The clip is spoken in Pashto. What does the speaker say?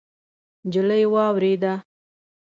نجلۍ واورېده.